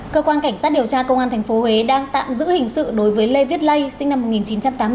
cơ quan cảnh sát điều tra công an tp huế đang tạm giữ hình sự đối với lê viết lây sinh năm một nghìn chín trăm tám mươi bốn